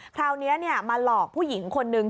คราวนี้มาหลอกผู้หญิงคนนึง